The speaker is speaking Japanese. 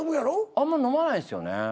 あんま飲まないんですよね。